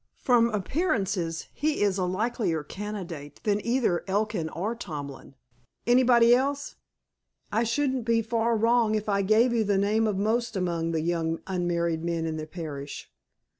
"From appearances, he is a likelier candidate than either Elkin or Tomlin. Anybody else?" "I shouldn't be far wrong if I gave you the name of most among the young unmarried men in the parish."